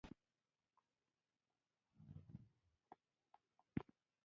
خو د لوی افغانستان تن دې یو تن شي.